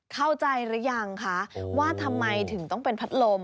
เข้าใจหรือยังคะว่าทำไมถึงต้องเป็นพัดลม